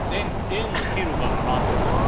縁を切るからな！と。